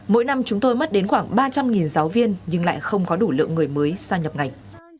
mỗi năm chúng tôi mất đến khoảng ba trăm linh giáo viên nhưng lại không có đủ lượng người mới sang nhập ngành